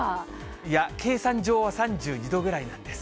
いや、計算上は３２度ぐらいなんです。